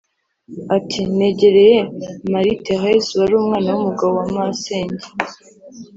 Ati “Negereye Marie Thérèse wari umwana w’umugabo wa masenge